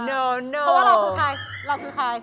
เพราะว่าเราคือใครเราคือใคร